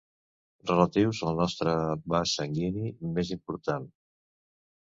Relatius al nostre vas sanguini més important.